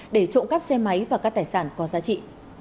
để trộm cắp xe máy và các tài sản có giá trị